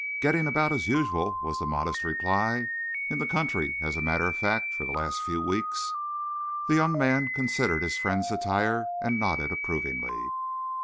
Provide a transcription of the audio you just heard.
"Getting about as usual," was the modest reply. "In the country, as a matter of fact, for the last few weeks." The young man considered his friend's attire and nodded approvingly.